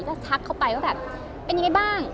ก็ทักเข้าไปว่าแบบเป็นยังไงบ้าง